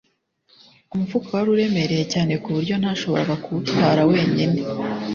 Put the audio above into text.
umufuka wari uremereye cyane ku buryo ntashobora kuwutwara wenyine.